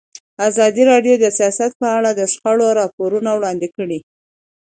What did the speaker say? ازادي راډیو د سیاست په اړه د شخړو راپورونه وړاندې کړي.